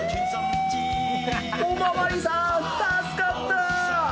おまわりさーん、助かった。